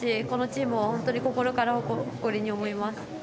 このチームを本当に心から誇りに思います。